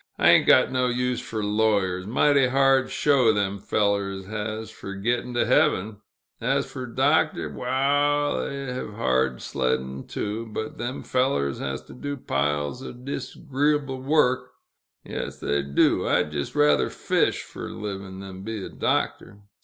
"I ain't got no use fer lawyers mighty hard show them fellers has, fer get'n' to heaven. As fer doctors waal, they'll hev hard sledd'n, too; but them fellers has to do piles o' dis'gree'bl' work, they do; I'd jist rather fish fer a liv'n', then be a doctor!